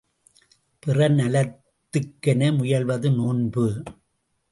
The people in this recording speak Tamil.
பிறர் நலத்துக்கென முயல்வது நோன்பு.